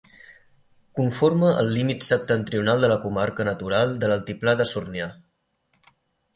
Conforma el límit septentrional de la comarca natural de l'Altiplà de Sornià.